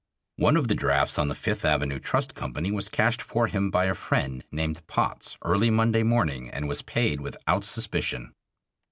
One of the drafts on the Fifth Avenue Trust Company was cashed for him by a friend named Potts early Monday morning, and was paid without suspicion.